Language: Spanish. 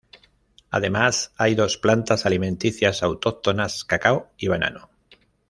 Además, hay dos plantas alimenticias autóctonas, cacao y banano.